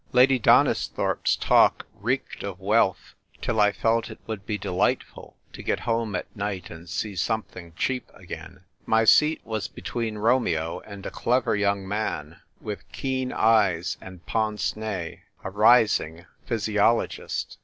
Lady Donisthorpe's talk leeked of wealth till I felt it would be dviiightful to get home at night and spc somethmg cheap again. My seat VvdS between Romeo and a clever young man, with keen eyes and pince nez, a rising physiologist.